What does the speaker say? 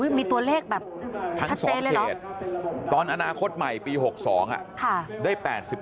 อุ๊ยมีตัวเลขแบบชัดเจนเลยเหรอทั้ง๒เทศตอนอนาคตใหม่ปี๖๒ได้๘๑